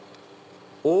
お！